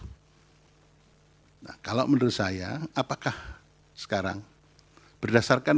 hai nah kalau menurut saya apakah sekarang berdasarkan